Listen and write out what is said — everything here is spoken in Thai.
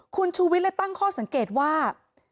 คุณชูวิทย์เลยตั้งข้อสังเกตว่า